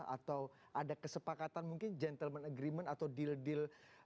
atau ada kesepakatan mungkin gentleman agreement atau deal deal